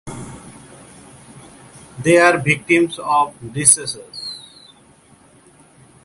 They are victims of disease.